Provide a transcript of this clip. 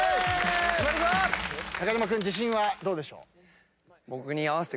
中島君自信はどうでしょう？